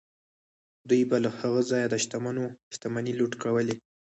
دوی به له هغه ځایه د شتمنو شتمنۍ لوټ کولې.